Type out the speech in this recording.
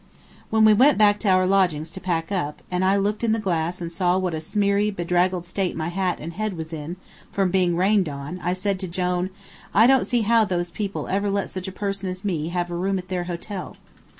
When we went back to our lodgings to pack up, and I looked in the glass and saw what a smeary, bedraggled state my hat and head was in, from being rained on, I said to Jone, "I don't see how those people ever let such a person as me have a room at their hotel."